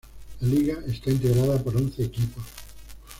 La liga está integrada por once equipos.